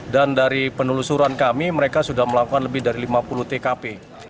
dan dari penelusuran kami mereka sudah melakukan lebih dari lima puluh tkp